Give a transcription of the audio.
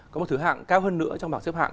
có một thứ hạng cao hơn nữa trong bảng xếp hạng